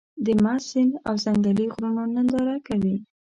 د مست سيند او ځنګلي غرونو ننداره کوې.